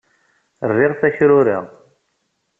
Riɣ takrura.